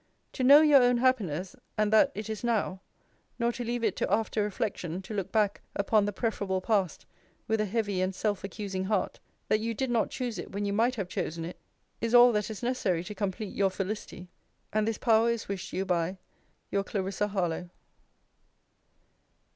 To know your own happiness, and that it is now, nor to leave it to after reflection to look back upon the preferable past with a heavy and self accusing heart, that you did not choose it when you might have chosen it, is all that is necessary to complete your felicity! And this power is wished you by Your CLARISSA HARLOWE.